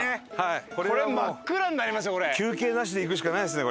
休憩なしで行くしかないですね